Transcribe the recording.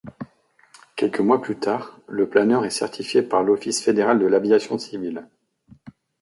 Quelques mois plus tard, le planeur est certifié par l'Office fédéral de l'aviation civile.